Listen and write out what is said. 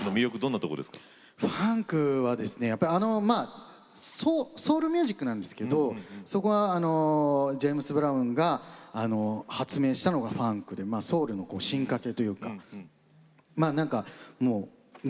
ファンクはソウルミュージックなんですけれどもそこはジェームス・ブラウンが発明したのがファンクでソウルの進化系というかなんかね